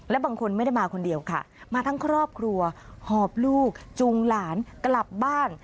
และบางคนไม่ได้มาคนเดียวค่ะมาทั้งครอบครัวหอบลูกจูงหลานกลับบ้าน